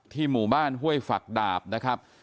หมู่บ้านห้วยฝักดาบนะครับ